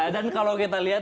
dan kalau kita lihat